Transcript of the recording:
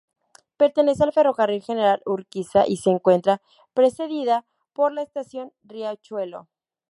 Pertenece al Ferrocarril General Urquiza y se encuentra precedida por la Estación Riachuelo.